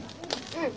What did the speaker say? うん。